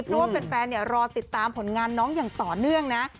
เพราะว่าแฟนรอติดตามผลงานน้องอย่างต่อเนื่องนะ